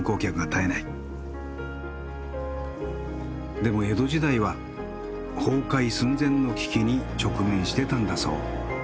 でも江戸時代は崩壊寸前の危機に直面してたんだそう。